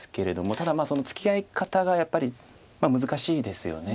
ただつきあい方がやっぱり難しいですよね。